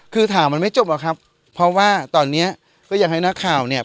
คือถามมันไม่จบหรอกครับเพราะว่าตอนเนี้ยก็อยากให้นักข่าวเนี่ย